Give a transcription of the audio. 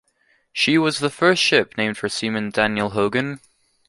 She was the first ship named for Seaman Daniel Hogan.